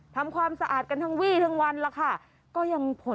ทำความสะอาดกันทั้งวี่ทั้งวันแล้วค่ะก็ยังผล